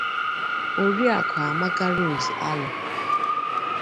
Oriakụ Amaka Rose Alor